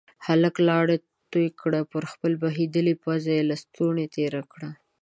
هلک لاړې تو کړې، پر خپله بهيدلې پزه يې لستوڼی تير کړ.